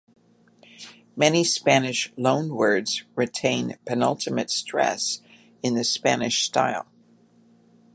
Many Spanish loanwords retain penultimate stress in the Spanish style.